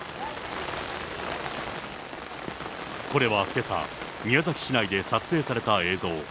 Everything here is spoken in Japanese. これはけさ、宮崎市内で撮影された映像。